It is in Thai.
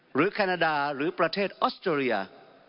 หรือแคนาดาหรือประเทศออสเตอรียา